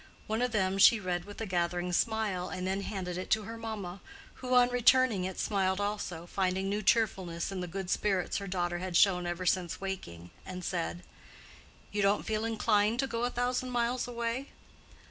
One of them she read with a gathering smile, and then handed it to her mamma, who, on returning it, smiled also, finding new cheerfulness in the good spirits her daughter had shown ever since waking, and said, "You don't feel inclined to go a thousand miles away?"